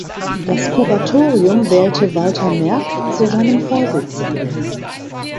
Das Kuratorium wählte Walther Merck zu seinem Vorsitzenden.